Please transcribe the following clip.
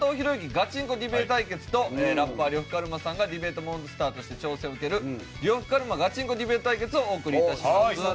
ガチンコディベート対決とラッパー呂布カルマさんがディベートモンスターとして挑戦を受ける呂布カルマガチンコディベート対決をお送り致します。